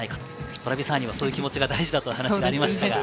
トラビサーニはそういう気持ちが大事だという話がありました。